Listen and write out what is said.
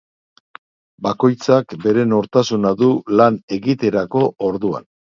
Bakoitzak bere nortasuna du lan egiterako orduan.